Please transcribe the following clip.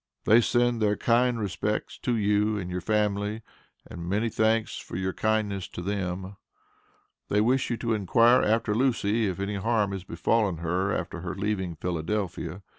They send their kind respects to you and your family and many thanks for your kindness to them. They wish you to inquire after Lucy if any harm has befallen her after her leaving Philadelphia.